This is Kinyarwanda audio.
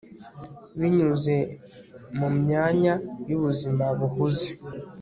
Binyuze mu myanya yubuzima buhuze